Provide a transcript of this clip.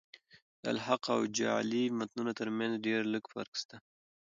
د الحاق او جعلي متونو ترمتځ ډېر لږ فرق سته.